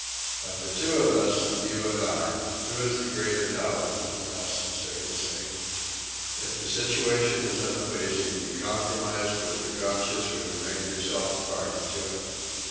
"Of the two of us, you and I, who is the greater coward?" he asked seriously. "If the situation is unpleasing, you compromise with your conscience when you make yourself a party to it.